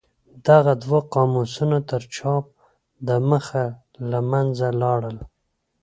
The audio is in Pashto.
دغه دوه قاموسونه تر چاپ د مخه له منځه لاړل.